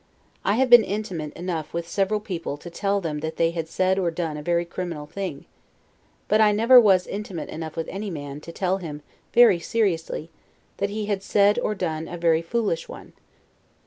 I have been intimate enough with several people to tell them that they had said or done a very criminal thing; but I never was intimate enough with any man, to tell him, very seriously, that he had said or done a very foolish one.